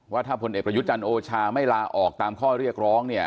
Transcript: ว่าถ้าพลเอกประยุทธ์จันทร์โอชาไม่ลาออกตามข้อเรียกร้องเนี่ย